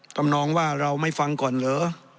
ทำนองว่าเราไม่ฟังก่อนเหรอ